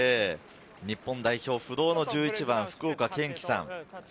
日本代表、不動の１１番・福岡堅樹さん。